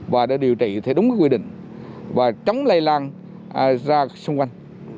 và đã điều trị theo đúng quy định và chống lây lan ra xung quanh